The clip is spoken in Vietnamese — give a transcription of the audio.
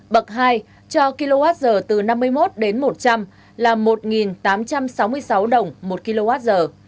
bậc hai cho kwh từ năm mươi một đến một trăm linh là một tám trăm sáu mươi sáu đồng một kwh